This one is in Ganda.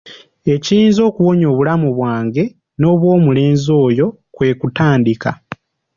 Ekiyinza okuwonya obulamu bwange n'obw'omulenzi oyo kwe kutandika.